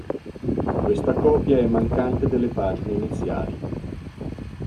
Questa copia è mancante delle pagine iniziali.